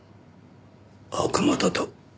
悪魔だと？